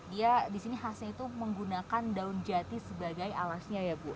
dia di sini khasnya itu menggunakan daun jati sebagai alasnya ya bu